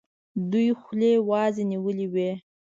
دوی خولې وازي نیولي وي.